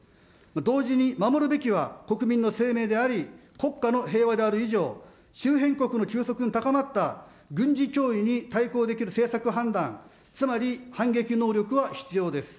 同時に守るべきは国民の生命であり、国家の平和である以上、周辺国の急速に高まった軍事脅威に対抗できる政策判断、つまり反撃能力は必要です。